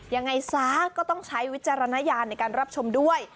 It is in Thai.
ยังไงซะก็ต้องใช้วิจารณญาณในการรับชมด้วย